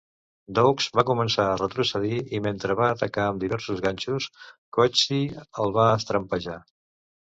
Dokes va començar a retrocedir i mentre va atacar amb diversos ganxos, Coetzee els va trampejar.